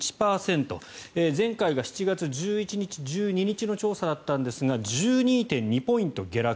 前回が７月１１日、１２日の調査だったんですが１２．２ポイント下落。